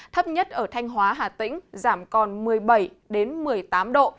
thấp nhất ở thanh hóa hà tĩnh giảm còn một mươi bảy một mươi tám độ